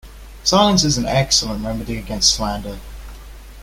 Silence is an excellent remedy against slander.